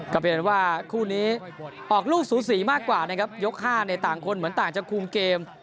ก็เป็นว่าคู่นี้ออกลูกสูสีมากกว่านะครับยก๕ในต่างคนเหมือนต่างจะคุมเกม